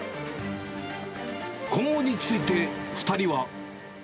今後について、２人は。